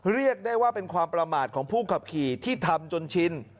เรียกได้ว่าเป็นความประมาทของผู้ขับขี่ที่ทำจนชิน